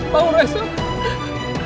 pak aku nggak salah